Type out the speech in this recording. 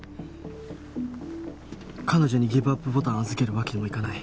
彼女にギブアップボタンを預けるわけにもいかない。